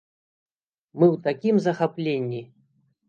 Мы ў такім захапленні!